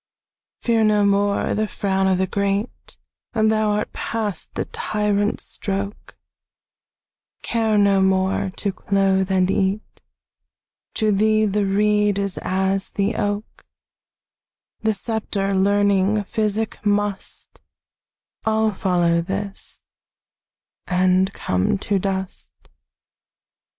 Fear no more the frown o' the great, Thou art past the tyrant's stroke; Care no more to clothe, and eat; To thee the reed is as the oak: The sceptre, learning, physic, must All follow this and come to dust.